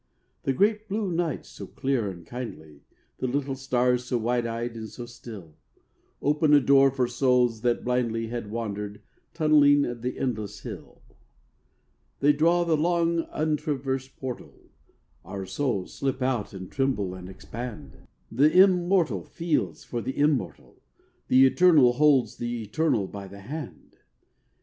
The great blue Night so clear and kindly, The little stars so wide eyed and so still, Open a door for souls that blindly Had wandered, tunnelling the endless hill; They draw the long untraversed portal, Our souls slip out and tremble and expand, The immortal feels for the immortal, The eternal holds the eternal by the hand.